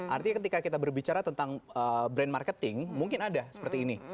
artinya ketika kita berbicara tentang brand marketing mungkin ada seperti ini